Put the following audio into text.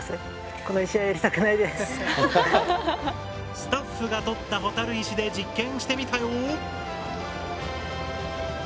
スタッフが採った蛍石で実験してみたよ。